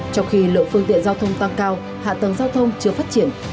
trong khi lượng phương tiện giao thông tăng cao hạ tầng giao thông chưa phát triển